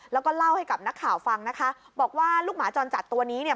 แล้วก็เล่าให้กับนักข่าวฟังนะคะบอกว่าลูกหมาจรจัดตัวนี้เนี่ย